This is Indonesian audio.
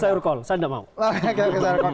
jangan sampai disebut sayur kol saya tidak mau